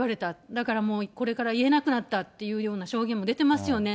だからもう、これから言えなくなったというような証言も出てますよね。